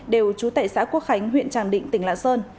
đều trú tại xã quốc khánh huyện tràng định tỉnh lạng sơn